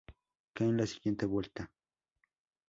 Cae en la siguiente vuelta.